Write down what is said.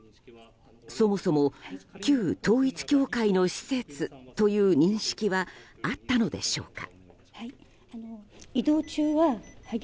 そもそも旧統一教会の施設という認識はあったのでしょうか。